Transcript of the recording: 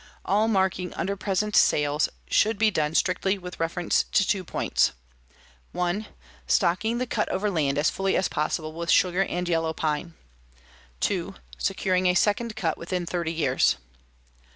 All marking under present sales should be done strictly with reference to two points: "1. Stocking the cut over land as fully as possible with sugar and yellow pine. "2. Securing a second cut within thirty years.